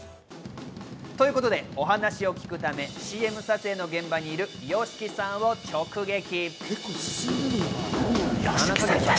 ということで、お話を聞くため、ＣＭ撮影の現場にいるＹＯＳＨＩＫＩさんを直撃。